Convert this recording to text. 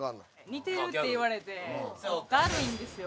似てるって言われてダルいんですよ